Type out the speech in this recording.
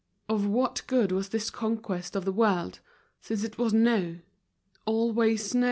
Of what good was this conquest of the world, since it was no, always no?